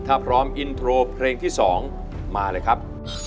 ถ้าพร้อมอินโทรเพลงที่๒มาเลยครับ